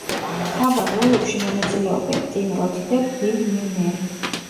მთავარ როლებში მონაწილეობენ: ტიმ როთი და ბილ მილნერი.